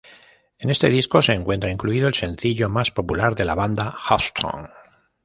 En este disco se encuentra incluido el sencillo más popular de la banda Headstrong.